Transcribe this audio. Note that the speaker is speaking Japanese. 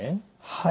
はい。